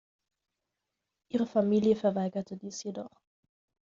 Ihre Familie verweigerte dies jedoch.